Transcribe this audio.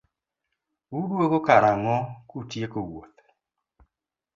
Uduogo karang'o kutieko wuoth?